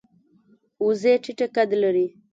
وزې ټیټه قد لري